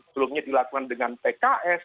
sebelumnya dilakukan dengan pks